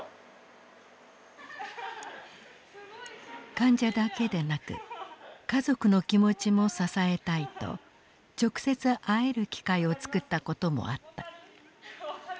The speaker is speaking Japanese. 患者だけでなく家族の気持ちも支えたいと直接会える機会を作ったこともあった。